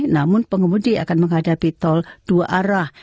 namun pengemudi akan menghadapi tol dua arah